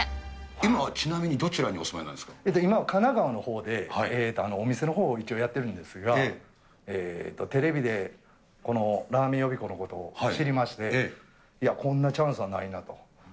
今はちなみにどちらにお住ま今は神奈川のほうでお店のほうを一応やってるんですが、テレビでこのらーめん予備校のことを知りまして、いや、こんなチャンスはないなと。